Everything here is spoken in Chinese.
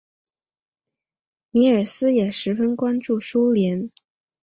米尔斯也十分关注苏联。